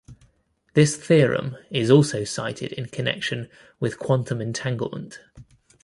This theorem is also cited in connection with quantum entanglement.